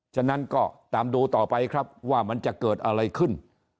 ฉะนั้นก็ตามดูต่อไปครับว่ามันจะเกิดอะไรขึ้น